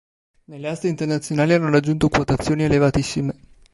Nelle aste internazionali hanno raggiunto quotazioni elevatissime.